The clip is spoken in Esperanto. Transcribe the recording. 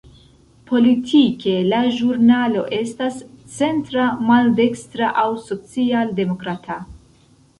Politike, la ĵurnalo estas centra-maldekstra aŭ social-demokrata.